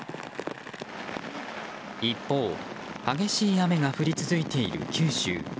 一方、激しい雨が降り続いている九州。